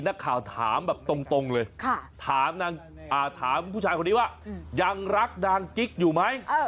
นักข่าวถามแบบตรงเลยถามผู้ชายคนนี้ว่ายังรักนางกิ๊กอยู่ไหม